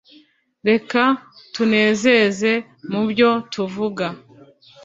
Reka tunezeze mubyo tuvuga